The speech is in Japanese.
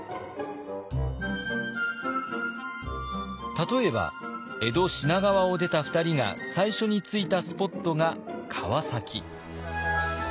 例えば江戸品川を出た２人が最初に着いたスポットが川崎。